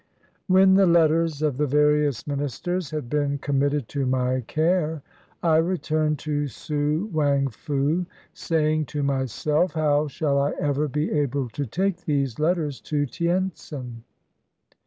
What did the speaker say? ] When the letters of the various ministers had been com mitted to my care, I returned to Su Wang Fu, saying to myself, "How shall I ever be able to take these letters to Tientsin?"